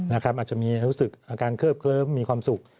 อาจจะมีอาการเคิบเคิบมีความสุข